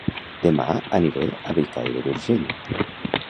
Dema aniré a Bellcaire d'Urgell